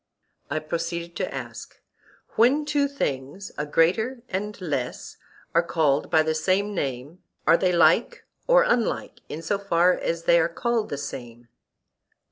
I proceeded to ask: When two things, a greater and less, are called by the same name, are they like or unlike in so far as they are called the same?